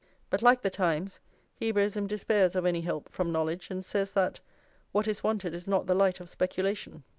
But, like The Times, Hebraism despairs of any help from knowledge and says that "what is wanted is not the light of speculation."